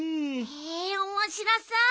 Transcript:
へえおもしろそう。